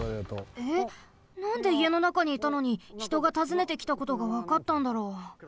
えっなんでいえのなかにいたのにひとがたずねてきたことがわかったんだろう？